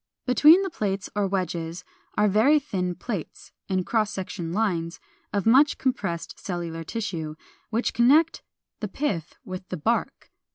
Between the plates or wedges are very thin plates (in cross section lines) of much compressed cellular tissue, which connect the pith with the bark.